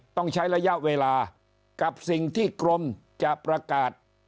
ต้องใช้ระยะเวลากับสิ่งที่กรมจะประกาศ